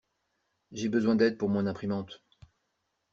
J'ai besoin d'aide pour mon imprimante.